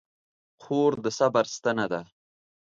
خور د صبر ستنه ده.